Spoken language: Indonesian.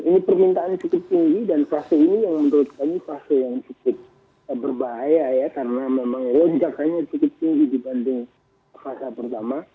ini permintaan cukup tinggi dan fase ini yang menurut kami fase yang cukup berbahaya ya karena memang lonjakannya cukup tinggi dibanding fase pertama